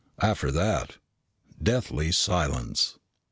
After that, deathly silence.